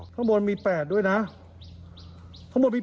ข้างบนมี๘ด้วยนะข้างบนมี